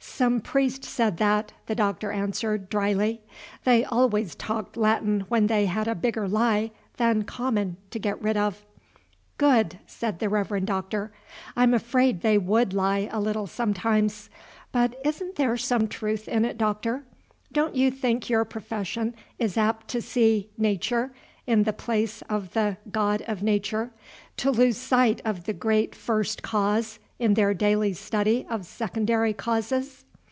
"Some priest said that," the Doctor answered, dryly. "They always talked Latin when they had a bigger lie than common to get rid of." "Good!" said the Reverend Doctor; "I'm afraid they would lie a little sometimes. But isn't there some truth in it, Doctor? Don't you think your profession is apt to see 'Nature' in the place of the God of Nature, to lose sight of the great First Cause in their daily study of secondary causes?"